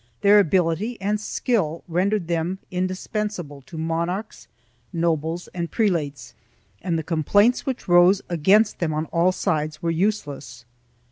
Their ability and skill rendered them indispensable to monarchs, nobles, and prelates, and the complaints which arose against them on all sides were useless.